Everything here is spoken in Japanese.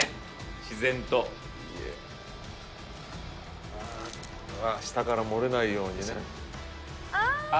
自然と下から漏れないようにねああ！